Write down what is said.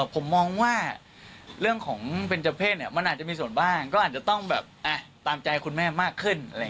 ผมมองว่าเรื่องของเบนเจอร์เพศมันอาจจะมีส่วนบ้างก็อาจจะต้องแบบตามใจคุณแม่มากขึ้น